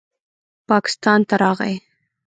پاکستان ته راغے